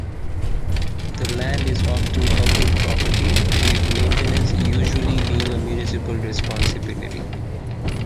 The land is often public property, with maintenance usually being a municipal responsibility.